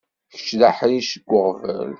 Kečč d aḥric seg uɣbel.